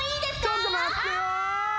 ちょっと待ってよ！